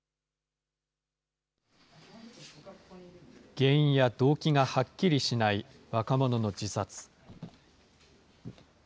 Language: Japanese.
原因や動機がはっきりしない若者の自殺。